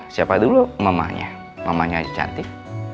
siapa dulu mamanya mamanya cantik